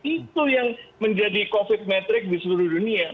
itu yang menjadi covid metrik di seluruh dunia